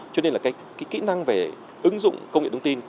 cho nên là cái kỹ năng về ứng dụng công nghệ thông tin